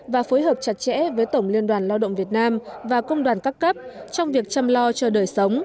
và phối hợp chặt chẽ với tổng liên đoàn lao động việt nam và công đoàn các cấp trong việc chăm lo cho đời sống